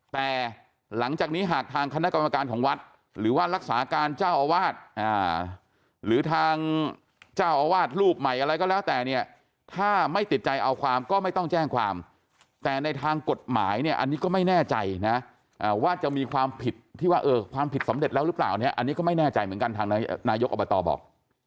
แต่หลังจากนี้หากทางคณะกรรมการของวัดหรือว่ารักษาการเจ้าอาวาสหรือทางเจ้าอาวาสรูปใหม่อะไรก็แล้วแต่เนี่ยถ้าไม่ติดใจเอาความก็ไม่ต้องแจ้งความแต่ในทางกฎหมายเนี่ยอันนี้ก็ไม่แน่ใจนะว่าจะมีความผิดที่ว่าความผิดสำเร็จแล้วหรือเปล่าเนี่ยอันนี้ก็ไม่แน่ใจเหมือนกันทางนายกอบตบอก